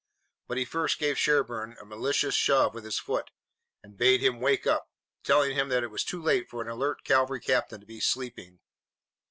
But he first gave Sherburne a malicious shove with his foot and bade him wake up, telling him that it was too late for an alert cavalry captain to be sleeping.